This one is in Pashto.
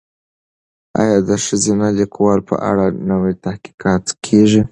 ایا د ښځینه لیکوالو په اړه نوي تحقیقات کیږي؟